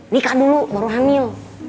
nikah dulu baru hamil